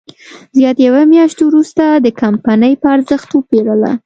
زیات یوه میاشت وروسته د کمپنۍ په ارزښت وپېرله.